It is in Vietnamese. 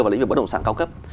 và lĩnh vực bất động sản cao cấp